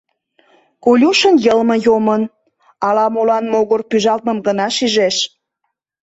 Колюшын йылме йомын, ала-молан могыр пӱжалтмым гына шижеш.